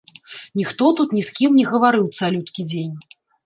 Ніхто тут ні з кім не гаварыў цалюткі дзень.